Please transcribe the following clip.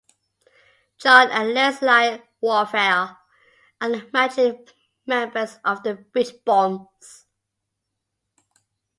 John and Leslye Wuerfel are the managing members of the Beach Bums.